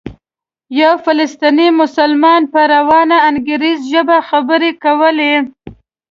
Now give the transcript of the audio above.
یو فلسطینی مسلمان په روانه انګریزي ژبه خبرې کولې.